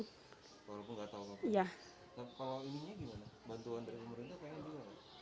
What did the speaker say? kalau ini gimana bantuan dari pemerintah pengen juga